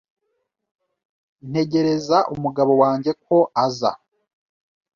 Ntegereza umugabo wanjye ko aza